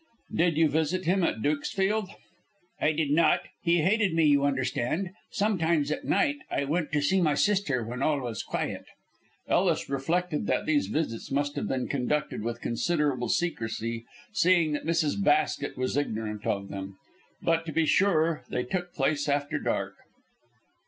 "Did you visit him at Dukesfield?" "I did not. He hated me, you understand. Sometimes at night I went to see my sister when all was quiet." Ellis reflected that these visits must have been conducted with considerable secrecy, seeing that Mrs. Basket was ignorant of them; but, to be sure, they took place after dark.